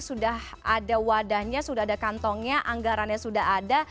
sudah ada wadahnya sudah ada kantongnya anggarannya sudah ada